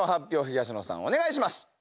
お願いします。